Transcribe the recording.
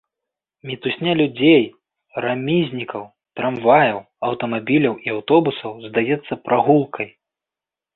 Мітусня людзей, рамізнікаў, трамваяў, аўтамабіляў і аўтобусаў здаецца прагулкай.